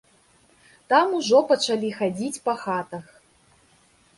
Там ўжо пачалі хадзіць па хатах.